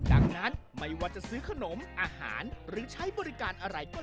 ดังนั้นไม่ว่าจะซื้อขนมอาหารหรือใช้บริการอะไรก็